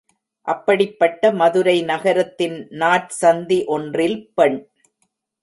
அப்படிப்பட்ட மதுரை நகரத்தின் நாற்சந்தி ஒன்றில் பெண்.